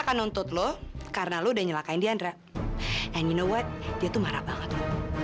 kamu bukan hanya sekedar temannya di anda